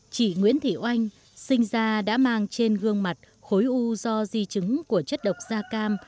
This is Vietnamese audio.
chị nguyễn thị oanh sinh ra đã mang trên gương mặt khối u do di chứng của chất độc da cam